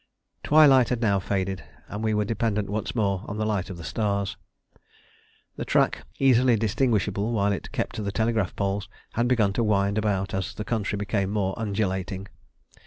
Twilight had now faded, and we were dependent once more on the light of the stars. The track, easily distinguishable while it kept to the telegraph poles, had begun to wind about as the country became more undulating.